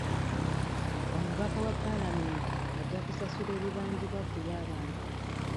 Omubaka wa paalamenti ajja kusasula ebibanjibwa ku lw'abantu.